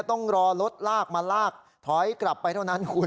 ต้องรอรถลากมาลากถอยกลับไปเท่านั้นคุณ